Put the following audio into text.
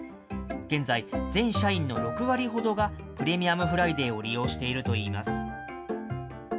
現在、全社員の６割ほどがプレミアムフライデーを利用しているといいます。